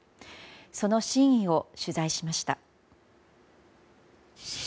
その真意を取材しました。